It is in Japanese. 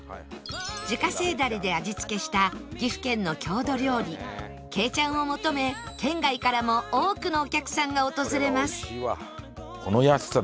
自家製ダレで味付けした岐阜県の郷土料理「けいちゃん」を求め県外からも多くのお客さんが訪れます